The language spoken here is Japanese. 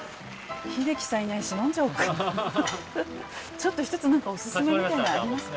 ちょっとちょっと一つ何かオススメみたいなのありますか。